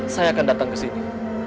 saya akan datang ke sini